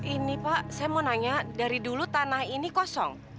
ini pak saya mau nanya dari dulu tanah ini kosong